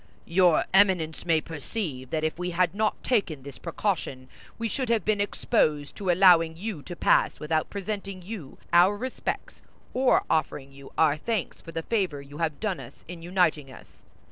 "Your Eminence may perceive that if we had not taken this precaution, we should have been exposed to allowing you to pass without presenting you our respects or offering you our thanks for the favor you have done us in uniting us.